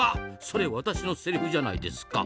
それ私のセリフじゃないですか！